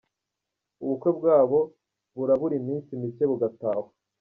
Ubukwe bwabo burabura iminsi micye bugatahwa.